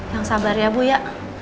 yang sabar ya bu ya